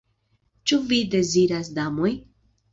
Ĉu vi deziras, damoj?